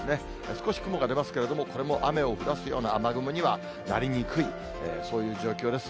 少し雲が出ますけれども、これも雨を降らすような雨雲にはなりにくい、そういう状況です。